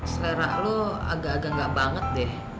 selera lo agak agak nggak banget deh